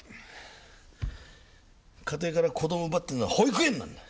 家庭から子供を奪ってるのは保育園なんだ！